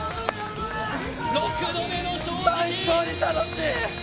６度目の正直！